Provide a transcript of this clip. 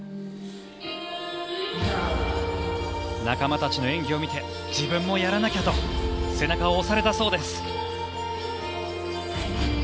仲間たちの演技を見て自分もやらなきゃと背中を押されたそうです。